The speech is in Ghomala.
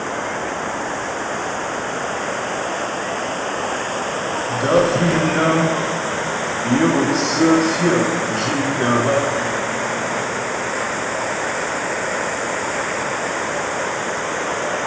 Gaə̂ fíŋ nə́ yó tsə́ fyə́ zhí'tə́ hə́ ?